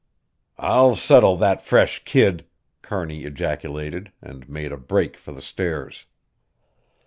"I'll settle that fresh kid!" Kearney ejaculated, and made a break for the stairs.